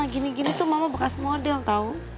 gini gini tuh mama bekas model tahu